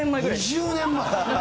２０年前？